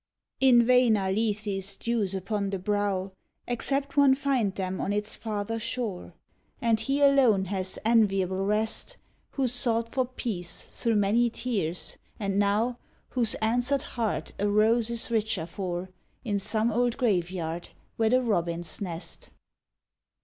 In vain are Lethe s dews upon the brow, Except one find them on its farther shore; And he alone has enviable rest Who sought for peace through many tears, and now Whose answered heart a rose is richer for, In some old graveyard where the robins nest.